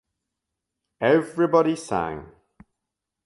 Everybody sang.